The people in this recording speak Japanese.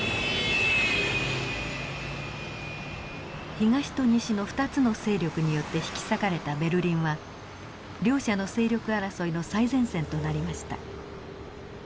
東と西の２つの勢力によって引き裂かれたベルリンは両者の勢力争いの最前線となりました。